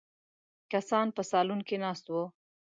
کسان په سالون کې ناست وو.